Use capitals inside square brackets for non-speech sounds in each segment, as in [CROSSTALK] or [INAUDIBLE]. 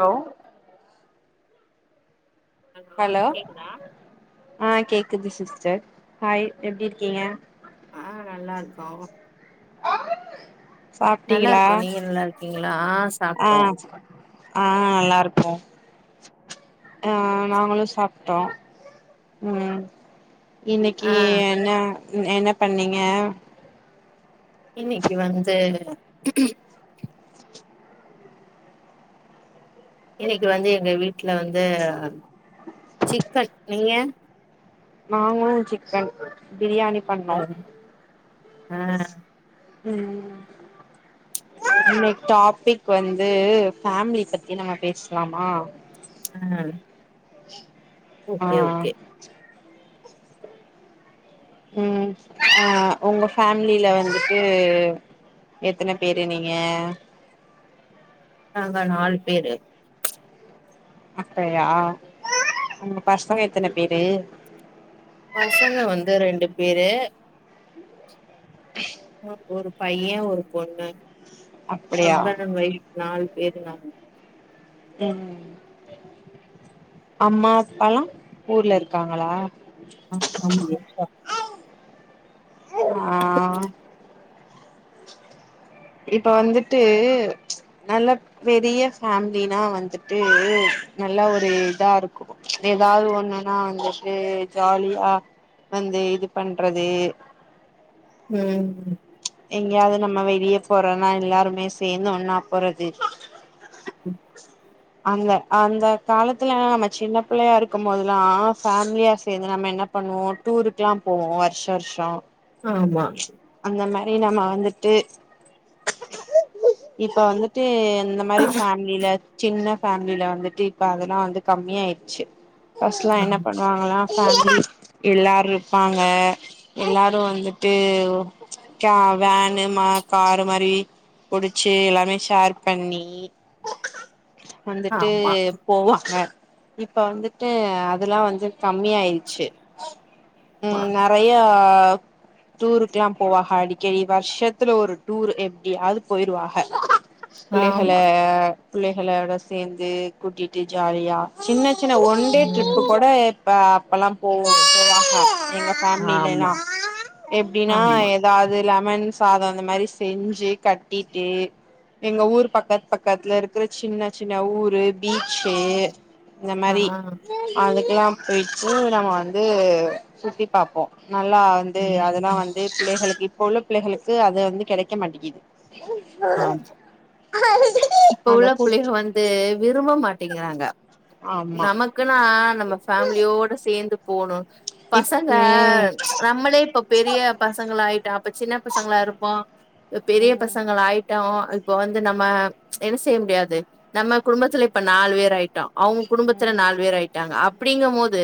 hello hello கேக்குதா ஆ கேக்குது சிஸ்டர் ஹாய் எப்டி இருக்கீங்க ஆ நல்லாருக்கோ நல்லா சாப்ட்டீங்களா இருக்கோ நீங்க நல்லா இருக்கீங்ளா ஆ ஆ சாப்ட்டோ ஆ நல்லா இருக்கோ ஆ நாங்களு சாப்ட்டோ மம் இன்னைக்கி ஆ என்ன என்ன பண்ணீங்க இன்னைக்கி வந்து இன்னைக்கி வந்து எங்க வீட்ல வந்து சிக்கன் நீங்க நாங்களு சிக்கன் பிரியாணி பண்ணோ ஓ ஆ ம் இன்னைக் டாபிக் வந்து ஃபேமிலி பத்தி நம்ம பேசலாமா ம் ஆ ஓகே ஓகே ம் ஆ உங்க ஃபேமிலில வந்துட்டு எத்தன பேரு நீங்க நாங்க நாலு பேரு அப்பயா உங்க பசங்க எத்தன பேரு பசங்க வந்து ரெண்டு பேரு ஒரு பைய ஒரு பொண்ணு அப்படியா ஹஸ்பண்ட் அண்ட் ஒய்ஃப் நாலு பேரு நாங்க ம் அம்மா அப்பல்லா ஊர்ல இருக்காங்ளா ஆ ஆமாய்யா ஷா ஆ இப்ப வந்துட்டு நல்ல பெரிய ஃபேமிலினா வந்துட்டு நல்ல ஒரு இதாருக்கு ஏதாவது ஒண்ணுன்னா வந்துட்டு ஜாலியா வந்து இது பண்றது ம்ம் எங்கயாவது நம்ம வெளிய போறோன்னா எல்லாருமே சேந்து ஒண்ணா போறது ம் அந்த அந்த காலத்துலல்லா நம்ம சின்ன பிள்ளையா இருக்கு போததெல்லா ஃபேமிலியா சேந்து நம்ம என்ன பண்ணுவோ டூருக்கெல்லா போவோ வர்ஷ வர்ஷோ ஆமா அந்த மாரி நம்ம வந்துட்டு இப்ப வந்துட்டு இந்த மாதிரி ஃபேமிலில சின்ன ஃபேமிலில வந்துட்டு இப்ப அதெல்லா வந்து கம்மிய ஆயிடுச்சு ஃபஸ்ட்லா என்ன பண்ணுவாங்ளா எல்லாரு இருப்பாங்க எல்லாரு வந்து இது நா வேனு மா காரு மாரி புடிச்சு எல்லாமே ஷேர் பண்ணி வந்துட்டு ஆமா போவாங்க இப்ப வந்துட்டு அதெல்லா வந்து கம்மியாருச்சு ஆமா ம் நெறைய டூருக்ல்லா போவாக அடிக்கடி வர்ஷத்துல ஒரு டூர் எப்டியாவது போயிருவாக ஆமா பிள்ளைகள ஆமா பிள்ளைகளோட சேர்ந்து கூட்டிட்டு ஜாலியா சின்ன சின்ன ஒன்டே ட்ரிப் ம் கூட இப்ப அப்பல்லா போவோ போவாக எங்க ஆமா ஃபேமிலிலலா எப்டினா ஆமா ஏதாது லெமன் சாதோ அந்த மாரி செஞ்சி கட்டிட்டு எங்க ஊர் பக்கத் பக்கத்துல இருக்ற சின்ன சின்ன ஊரு பீச்சே இந்த மாரி ஆ அதுக்கெல்லா பேயிச்சி நாங்க வந்து சுத்தி பாப்போ நல்லா வந் து அதெல்லா ம் வந்து பிள்ளைகளுக்கு இப்போ உள்ள பிள்ளைகளுக்கு அத வந்து கிடைக்க மாட்டேங்கிது ஆமா இப்ப அந்த உள்ள கூட் புள்ளைகள் வந்து விரும்ப மாட்டேங்கிறாங்க ஆமா நமக்கு க்குன்னா நம்ம ஃபேமிலியோட சேந்து போணு இப் பசங்க ம் நம்மளே இப்ப பெரிய பசங்களா ஆயிட்டோ அப்ப சின்ன பசங்களா இருப்போ பெரிய ம் பசங்கள் ஆயிட்டோ இப்ப வந்து நம்ம என்ன செய்ய முடியாது நம்ம குடும்பத்ல இப்ப நாலு பேர் ஆயிட்டோ அவங்க குடும்பத்துல ம் நாலு பேர் ஆயிட்டோ அவுங் குடும்பத்தில நாலு பேர் அப்டிங்கும் போது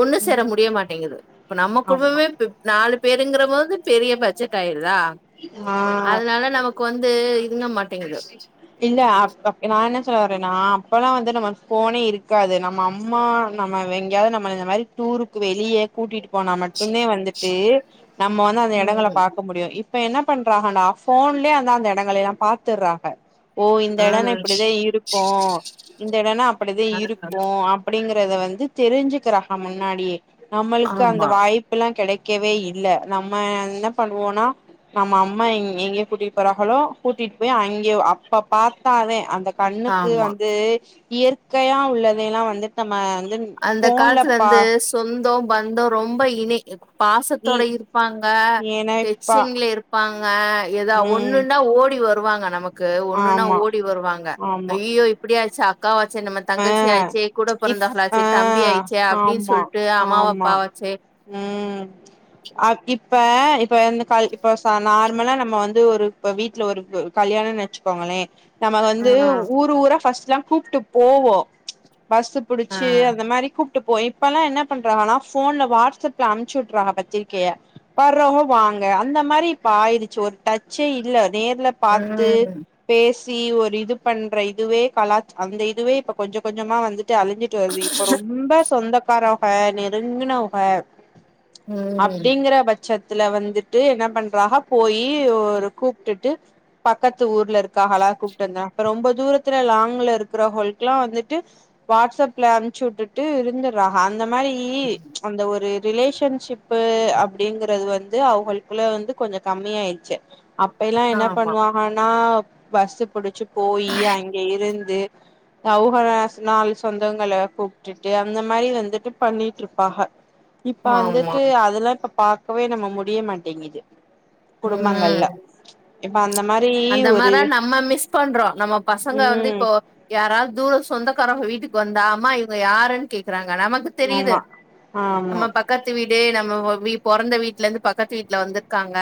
ஒன்னு சேர ம் முடிய மாட்டேங்குது இப்ப நம்ம ஆமா குடும்பமே பெ நாலு பேருங்கற போது பெரிய பட்ஜெட் ஆயிருதா ஆ அதனால நமக் கு வந்து இதுங்க மாட்டேங்கு இல்ல அப்பப் நா என்ன சொல்ல வரேனா அப்போல்லாம் வந்து நம்ம அப்பேலா வந்து போனே இருக்காது நம்ம அம்மா நம்ம எங்கேயாவது நம்ம இந்த மாரி டூருக்கு வெளியே கூட்டிட்டு போனா மட்டுத வந்துட்டது நம்ம வந்து அந்த இடங்களை ம் பாக்க முடியும் இப் இப்ப என்ன பண்றாகனா போன்லயே அந்தாந்த எடங்கள்லெல்லா பாத்துறாங்க ஓ இந்த ஆ எடன்னா இப்டிதா இருக்கு இந்த எடன்னா அப்டிதா ஆ இருக்கு அப் அப்டிங்கிறத வந்து தெரிஞ்சிக்கிறாங்க முன்னாடியே நம்ளுக்கு அந்த ஆமா வாய்ப்பு புல்லா கெடைக்கவே இல்ல நம்ம என்ன பண்ணுவோம்னா நம்ம அம்மா எங் எங்க கூட்டிட்டு போறாகளோ கூட்டிட்டு பேய் அங்கேயே அப் அப்ப பாத்தாதே அந்த கண்ணுக்கு ஆமா வந்து இயற் கையா உள்ளதெல்லா வந்துட்டு நம்ம வந்துன் அந்த காலத்துல வந்து சொந்தோ பந்தோ ரொம்ப இணை நீ பாசத்தோட இருப்பாங்க ஏனப்பா டெச்சிங்ல இருப்பாங்க ஏதா ம் ஒன்னுன்னா ஓடி வருவாங்க நமக் கு ஒன்னுன்னா ஆமா ஓடி வருவாங்க ஆமா ஐயயோ இப்டியாச்சா அக்காவாச்சே நம்ம ஆ தங்கச்சியாச்சே கூட இப் ஆ பிறந்தகளாச்சே தம்பி ஆயிச்சே அப்டின்னு ஆமா சொல்லிட்டு அம்மாவ ஆமா அப்பாவாச்சே ம் அப் இப்ப இப்ப வந்து க இப்ப நார்மலா நம்ம வந்து ஒரு இப்ப வீட்டுல ஒரு க கல்யாணோ வச்சிக்கோங்களே நம்ம ஆ வந்து ஊரு ஊரா ஃபஸ்ட்ல்லா கூப்ட்டு போவோ பஸ்ஸு ஆ பிடிச்சு அந்த மாரி கூப் ட்டு போய் இப்பெல்லா என்னா பண்றாங்கன்னா போன்ல வாட்ஸ்அப்ல அமுச்சு வுட்றாங்க பத்திரிகிய வர்றவங்க வாங்க அந்த மாரி இப்ப ஆயிடுச்சி ஒரு டச்சே இல்ல நேர்லப் பாத்து ம் பேசி ஒரு இது பண்ற இதுவே கலா அந்த இது இதுவே இப்ப கொஞ்ச கொஞ்சமா வந்துட்டு அழிஞ்சிட்டு வருது இப்ப ரொம்ப சொந்தக் காரவக நெருங்குனவக ம் அப்டிங்கற பச் சத்துல வந்துட்டு என்ன பண்றாக போயி ஒரு கூப்ட்டுட்டு பக்கத்து ஊர்ல இருக்காகளா கூப்ட்டு வந்த அப்ரோ ரொம்ப தூரத்துல லாங்ல இருக் குவகளுக்லா வந்துட்டு வாட்ஸ்அப்ல அனுச்சு விட்டுட்டு இருந்துறாக அந்த மாரி ரி அந்த ஒரு ரிலேஷன்ஷிப்பு அப்டிங்கறது வந்து அவங்களுக்குள்ள வந்து கொஞ்சொ கம்மியாயிடுச்சு அப்பைல்லா என்ன ஆமா பண்ணுவாகன்னா பஸ்ஸு புடிச்சு போயி அங்க இருந்து அவுகளா நாலு சொந்தங்கள கூப்ட்டுட்டு அந்த மாரி வந்துட்டு பண்ணிட்டுருப்பாக இப்ப ஆமா வந்துட்டு அதுல்லா இப்ப பாக்கவே நம்ம முடிய மாட்டேங்குது குடும்பங்கள்ல ம் இப்ப அந்த மாரி அந்த ஒரு மாரா நம்ம மிஸ் பண்றோ நம்ம பசங்க வந்து ம் இப்போ யாராது தூர சொந்தக்காரவங்க வீட்டுக்கு வந்தா அம்மா இவங்க யாருன்னு கேக்குறாங்க நமக் தெரியுது ஆமா ஆமா நம்ம பக் க்கத்து வீடு நம்ம வ வி பொறந்த வீட்லருந்து பக்கத்து வீட்ல வந்துருக்காங்க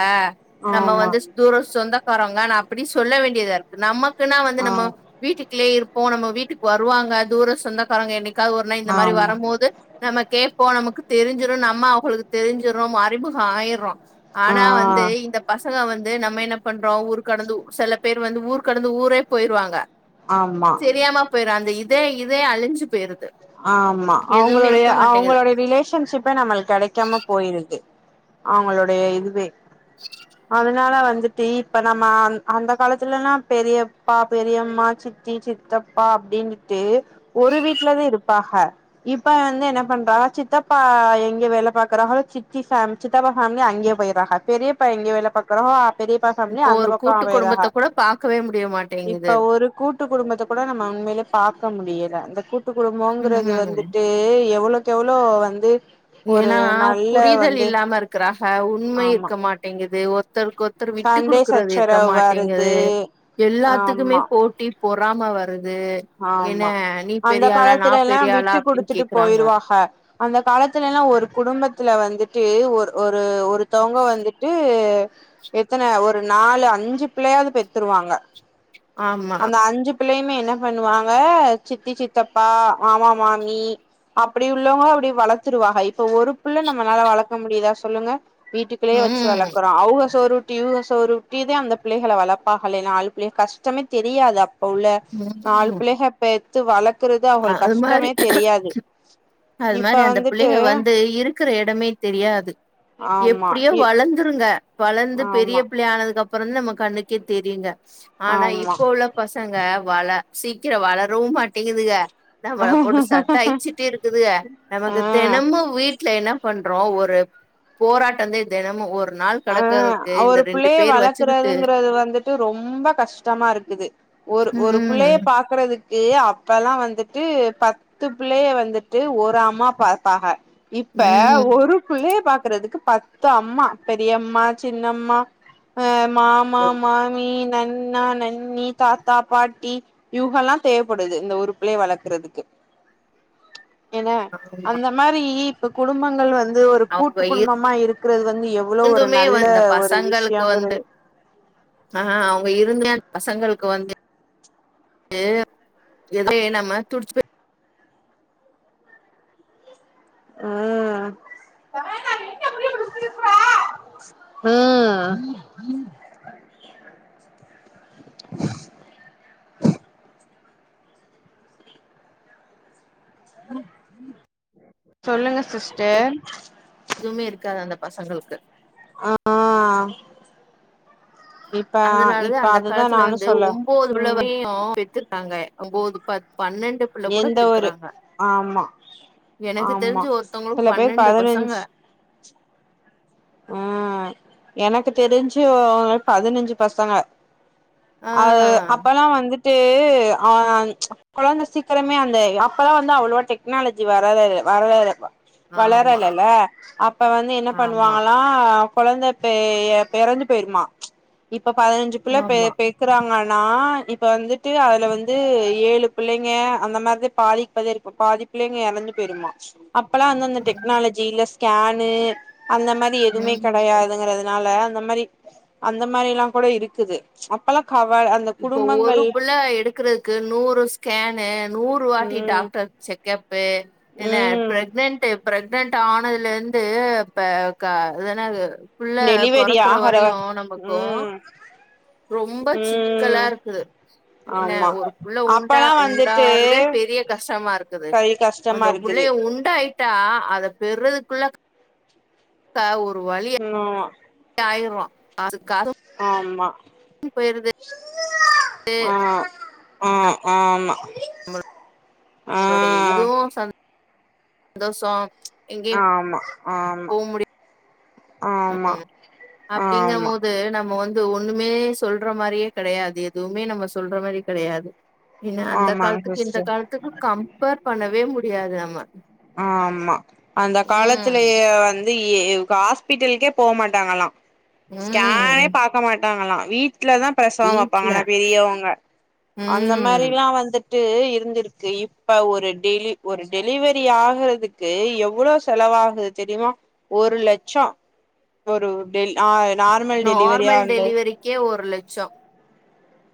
நம்ம ஆமா வந்து தூரோ சொந்தக்காரங்க நா அப்டி சொல்ல வேண்டியதா இருக்கு நமக்குன்னா வந்து நம்ம ஆமா வீட்டுக்ளே இருப்போ நம்ம வீட்டுக்கு வருவாங்க தூர சொந்தக்காரங்க என்னைக்காது ஒருநா இந்த மாரி ஆமா வரம்போது நமக்கே இப்ப நமக்கு தெரிஞ்சுரு நம்ம அவகளுக்கு தெரிஞ்சுர்றோ நம்மோ அறிமுகோ ஆயட்றோ ஆ ஆனா வந் து இந்த பசங்க வந்து நம்ம என்ன பண்றோ ஊருக் கடந்து செல பேர் வந்து ஊர் கடந்து ஊரே போயிருவாங்க ஆமா செரியாம பேய்ரு அந்த இதே இதே அழிஞ்சு பெயிரு ஆமா அவங்களுடைய அவங்களுடைய ரிலேஷன்ஷிப்பே நம்மளுக் கெடைக்காம போயிருது அவங்களுடைய இதுவே அத னால வந்துட்டு இப்ப நம்ம அந் அந்த காலத்துலலா பெரியப்பா பெரியம்மா சித் தி சித்தப்பா அப்டின்ட்டு ஒரு வீட்லதே இருப்பாக இப்ப வந்து என்ன பண்றாக சித்தப்பா எங்க வேல பாக்குறாகளோ சித்தி ஃபேம் சித்தப்பா ஃபேமிலி அங்கே போயிறாக பெரியப்பா எங்கே வேல பாக்றோக பெரியப்பா ஃபேமிலி இப்போ அந்த ஒரு பக்கோ கூட்டு போயறாக குடும்பத்த கூட பாக்கவே முடிய மாட்டேங்குது இப்ப ஒரு கூட் ட்டு குடும்பத்த கூட நம்ம உண்மையில பாக்க முடியல இந்த கூட்டு குடும்பங்குறது ம் வந்துட்டு எவ்ளோக் கெவ்ளோ வந்து ஒரு ஏனா நல்ல புரிதல் வந்து இல்லாம இருக்குறாக உண்ம ஆமா இருக்க மாட்டீங்குது ஒருத்தருக்கொரு த்தரு விட்டு சண்டே குடுக்கறது இருக்க சச்சரவு வருது மாட்டேங்குது எல்லாத்துக்குமே ஆமா போட் ட்டி பொறாம வருது என்ன ஆமா நீ அந்த பெரியாளா நா காலத்துலல்லா பெரியாளா விட்டு அப்டின்னு குடுத்துட்டு கேக்குறாங்க போயிருவாக அந்த காலத்துலல்லா ஒரு குடும்பத்துல வந்துட்டு ஒரு ஒரு ஒரு த்தவங்க வந்துட்டு எத்தன ஒரு நாலு அஞ்சு பிள்ளயாது பெத்துருவாங்க ஆமா அந்த அஞ்சு பிள்ளயுமே என்னப் பண்ணுவாங்க சித்தி சித்தப்பா மாமா மாமி அப்டி உள்ளவுங்க அப்டி வளத்துருவாக இப்போ ஒரு புள்ள நம்மளால வளக்க முடியுதா சொல்லுங்க வீட்டுக்குள்ளே வச்சு ம் வளக்காறோ அவுக சோறு ஊட் டி இவுக சோறுட்டிதா அந்த பிள்ளைகள வளர்ப்பாகலே நாளு பிள்ள கஷ்டமே தெரியாது அப்ப உள்ள நாலு ம் பிள்ளைக பெத்து வளக்குறது அவுகளுக் அது மாரி கஷ்டமே தெரியாது அது இப்ப மாரி அந்த வந்துட்டு பிள்ளைக வந்து இருக்குற எடமே தெரியாது ஆமா எப்டியோ இ வளந் துருங்க வளந்து பெரிய ஆமா பிள்ளை ஆனதுக்கு அப்பறந்தா நம்ம கண்ணுக்கே தெரியுங்க ஆனா ஆமா இப்ப உள்ள பசங்க வள சீக்கரோ வளரவு மாட்டேகுதுங்க நம்மள போட்டு சத்தாயிச்சுட்டே இருக்குதுக நமக்கு ஆ தெனமு வீட்ல எனப் பண்றோ ஒரு போராட்டந்தே தெனமு ஒரு நாள் அ கடக்கறதுக்கு அ இந்த ஒரு ரெண்டு புள்ளைய பேர் வச்சுக்கிட்டு வளக்குறதுங்குறது வந்துட்டு ரொம்ப கஷ்டமா இருக்குது ஒரு ஒரு புள்ளய ம் பாக்குறதுக்கு அப்பெல்லா வந்துட்டு பத் துப் புள்ளைய வந்துட்டு ஒரு அம்மா பாத்தாக இப்ப ம் ஒரு புள்ளய பாக்குறதுக்கு பத்து அம்மா பெரியம்மா சின்னம்மா அ மாமா மா நி நன்னா நன்னி தாத்தா பாட்டி இவுகல்லா தேவப்படுது இந்த ஒருப்புள்ளய வளக்கறதுக்கு என்ன ஆமா அந்த மாரி இப்ப குடும்பங்கள் வந்து ஒரு அவங்க கூட்டு குடும்பமா இருக்குறது வந்து எவ் எவ்ளோ ஒரு இருந்துமே நல்ல அந்த ஒரு பசங்களுக்கு வந்து விஷயங்கறது ஆ அவுங்க இருந்தா அ பசங்களுக் வந்து இது இதே நம்ம துடிச்சி போ ஆ ஆ சொல்லுங்க சிஸ்டர் எதுமே இருக்காது அந்த பசங்களுக்கு ஆ இப் அதனாலதா அந்த காலத்துல வந்து ஓம்போது ம் புள்ளைகளையு பெத் த்துர்காங்க ஒம்போது பத் பன்னெண்டு புள்ள கூட எந்த ஒரு பெக்குறாங்க ஆமா எனக்கு ஆமா தெரிஞ்சி ஒருத்தவுங்களுக்கு சில பேர் பன்னெண்டு பசங்க பதினஞ்சு ம் எனக்கு தெரிஞ்சி அவுங்களுக் பதினஞ்சி பசங்க ஆ அது அப்பல்லா வந்துட்டு ஆ கோழந்த சீக்கிரமே அந்த அப்பல்லா வந்து அவ்ளோவா டெக்னாலஜி வரவேல்ல வரவேல்ல ஆமா வளரலல்ல அப்ப வந்து என்ன பண்ணு ஆமா ஆ கொழந்த பெ எறந்து பேயிருமா இப்போ பதினஞ்சி புள்ள பெ ஆமா பெத் க்குறாங்கனானா இப்ப வந்துட்டு அதுல வந்து ஏழு பிள்ளைங்க அந்த மாரிதா பாதிக்கு பாதியா இரு அப்ப பாதி பிள்ளைங்க எறந்து போய்ருமா அப்பெல்லா வந்து அந்த ம் டெக்னாலஜி இல்ல ஸ்கேனு அந்த மாதி அப்டி எதுவுமே ம் கெடையாதுங்கிறதுனால அந்த மாரி அந்த மாரில்லா கூட இருக்குது அப்பல்லா கவல் அந்த குடும்பங்கள் த எடுக்கறதுக்கு நூறு ஸ்கேனு நூறு வாட்டி ம் டாக்டர் செக்கப்பு என்ன ம் ப்ரெக்னன்ட் ப்ரெக்னன்ட் ஆனதுல இருந்து இப்ப க அது என்னாது புள்ள டெலிவரி பொறக்குற ஆகற வரையு நமக்கு ம் ரொம்ப சிக் க்கலா ம் இருக்குது என்ன ஆமா ஒரு புள்ள உண்டா அப்பல்லா வந்துட்டு உண்டாருதே பெரிய கஷ்டமா இருக்குது கை கஷ்டமா அந்த இருக்குது புள்ளைய உண்டாயிட்டா அத பெறதுக்குள்ள க ஒரு வழியா ம் ஆமா ஆயிருவோ அதுக்காக ஆமா உயிர் போயிருது து ஆ ஆ நம் ஆமா ஆ உங்ளோடைய இதுவு சந் சந்தோஷோ எங்கேயு ஆமா ஆமா போ முடிய ஆமா ஆமா ஆமா இது நம்ம வந் இது ஒன்னுமே சொல்ற மாரியே கெடையாது எதுவுமே நம்ம சொல்ற மாரி கெடையாது மின்ன அந்த ஆமாங்க காலத்துக்கு இந்த சிஸ்டர் காலத்துக்கு கம்பேர் பண்ணவே முடியாது நம்ம ஆமா அந்த ம் காலத்லயே வந் து ஹாஸ்பிட்டல்க்கே போ மாட்டாங்கலா ஸ்கேனே ம் பாக் பக்க மாட்டாங்களா வீட்லதா பிரசவோ வீட்ல பாப்பாங்களா பெரியவுங்க அந்த ம் மாரிலா வந்து ட்டு இருந்திருக்கு இப்ப ஒரு டெலி ஒரு டெலிவரி ஆகதுக்கு எவ்ளோ செலவாகுது தெரிமா ஒரு லட்சோ ஒரு டெல் ஆ நார்மல் டெலிவரியா நார்மல் வந்து டெலிவரிக்கே ஒரு லட்சோ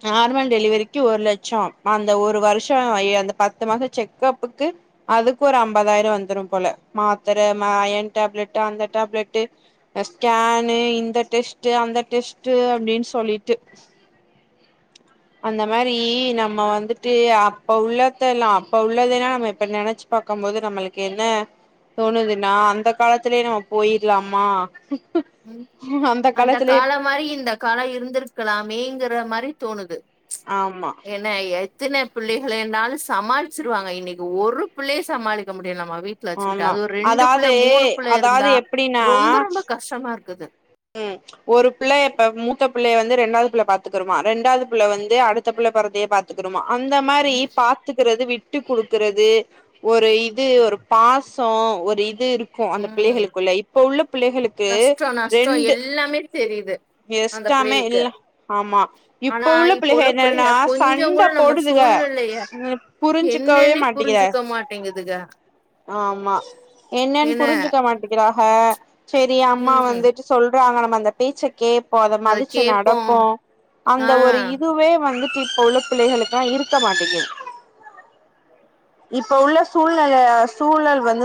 நார்மல் டெலிவரிக்கு ஒரு லட்சோ அந்த ஒரு வருஷோ அந்த பத்து மசோ செக்கப்புக்கு அதுக்கு ஓரு அம்பாதயிர வந்துரு போல மாத்தரை அயன் டேப்லெட் அந்த டேப்லெட்டு ஸ்கேனுு இந்த டெஸ்ட்டு அந்த டெஸ்ட்டு அப்டினு சொல்லிட்டு [INAUDIBLE] அந்த மாரி நம்ம வந்துட்டு அப்போ உள்ளத்தெல்லா அப்ப உள்ளதெல்லா நம்ம இப்ப நினச்சு பாக்கு போது நம்மளுக்கு என்ன தோணுதுனா நா அந்த காலத்லயே நம்ம போயிரலாமா ம் அந்த காலோ மாரி இந்த காலோ இருந்திருக்கலாமேங்கற மாரி தோணுது ஆமா ன எத்தன பிள்ளைகளனாலு சமாளிச்சிருவாங்க இன்னைக்கு ஒரு பிள்ளைய சமாளிக்க முடியலா நம்ம வீட் வச்சுக்கிட்டு ஆமா அது ஒரு ரெண்டு புள்ள அதாவது மூணு புள்ள அதாவது இருந்தா எப்டின்னா ரொம்ப ரொம்ப கஷ்டமா இருக்குது ம் ஒரு புள்ள இப்ப மூத்த புள்ளைய வந்து ரெண்டாவது புள்ள பாத்துக்கறமா ரெண்டாவது புள்ள வந்து அடுத்த புள்ள பறதையே பாத் பாத்தூக்குருமா அந்த மாரி பா த்துக்கிறது விட்டு குடுக்கறது ஒரு இது ஒரு பாசோ ஒரு இது இரு க்கு அந்த ம் புள்ளைகளுக்குள்ள இப்ப உள்ள புள்ளைகளுக்கு சோ எல்லாமே தெரியிது எஷ்டாமே இல்ல ஆமா ஆனா இப்ப உள்ள இப்போ புள்ளை பிள்ளைக என்னன்னா கொஞ்சோ சண்ட கூட நம்ம போடுதுங்க சூழ்நிலைய உ புரிஞ்சுக்கவே என்னன்னே மாட்டிக்கிற புரிஞ்சுக்க மாட்டேங்குதுக ஆமா என்னன்னு என்ன புரிஞ்சுக்க மாட்டிகிறாக செரி அம்மா ம் வந்து சொல்றாங்க நம்ம அந்த பேச்சு கே ப்போ அத மதிச்சி நடப்போ அந்த ஆ ஒரு இதுவே வந்துட்டு இப்ப உள்ள புள்ளைகளுக்கா இருக்க மாட்டீங்குது இப்ப உள்ள சூழ்நில சூழல் வந்து